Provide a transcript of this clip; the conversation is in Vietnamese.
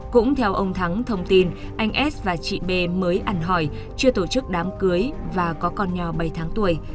cũng theo ông thắng thông tin anh s và chị b mới ăn hỏi chưa tổ chức đám cưới và có con nhỏ bảy tháng tuổi